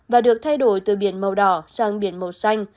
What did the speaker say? và được thay đổi từ biển màu đỏ sang biển màu xanh